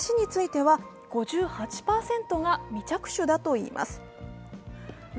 しかし、橋については５８％が未着手だといいます。